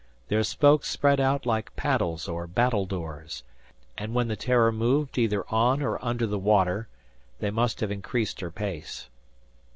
Their spokes spread out like paddles or battledores; and when the "Terror" moved either on or under the water, they must have increased her pace.